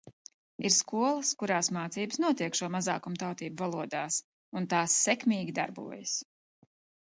Ir skolas, kurās mācības notiek šo mazākumtautību valodās, un tās sekmīgi darbojas.